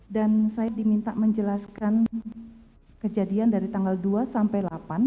dan saya diminta menjelaskan kejadian dari tanggal dua sampai delapan